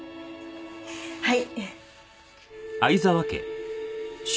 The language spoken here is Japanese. はい。